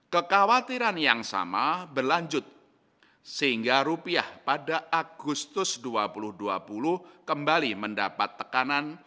kekhawatiran yang sama berlanjut sehingga rupiah pada agustus dua ribu dua puluh kembali mendapat tekanan